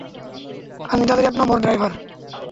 আমি তাদের এক নম্বর ড্রাইভার।